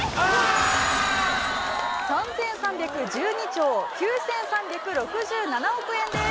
３３１２兆９３６７億円です。